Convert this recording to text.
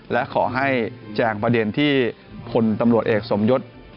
และขอให้แจงประเด็นที่พลตำรวจเอกสมยศ